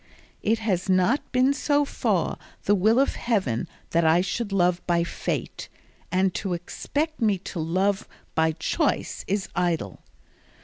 It has not been so far the will of Heaven that I should love by fate, and to expect me to love by choice is idle.